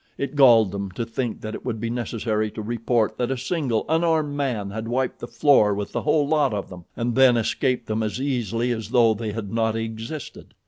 It galled them to think that it would be necessary to report that a single unarmed man had wiped the floor with the whole lot of them, and then escaped them as easily as though they had not existed.